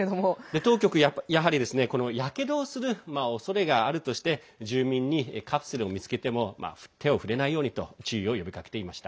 当局は、やはりやけどをするおそれがあるとして住民にカプセルを見つけても手を触れないようにと注意を呼びかけていました。